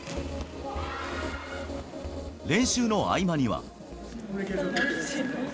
練習の合間には。